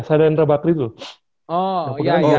sadaendra bakri tuh oh ya ya ya